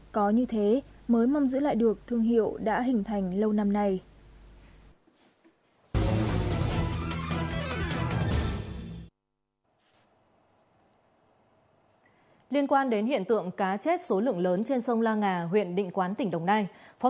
có như thế mới mong giữ lại được thương hiệu đã hình thành lâu năm nay